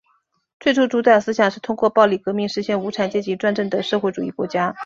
最初主导思想是通过暴力革命实现无产阶级专政的社会主义国家。